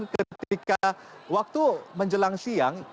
ketika waktu menjelang siang